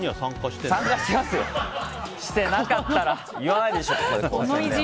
してなかったら言わないでしょ、ここで。